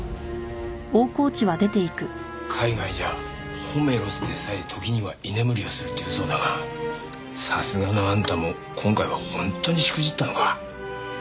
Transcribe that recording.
海外じゃ「ホメロスでさえ時には居眠りをする」と言うそうだがさすがのあんたも今回は本当にしくじったのか？